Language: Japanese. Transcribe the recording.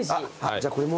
じゃあこれも。